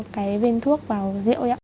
cái bên thuốc vào rượu ấy ạ